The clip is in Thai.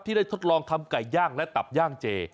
ได้ทดลองทำไก่ย่างและตับย่างเจ